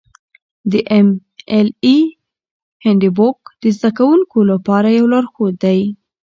د ایم ایل اې هینډبوک د زده کوونکو لپاره یو لارښود دی.